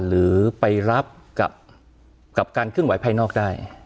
หรือไปรับกับการเคลื่อนไหวภายนอกได้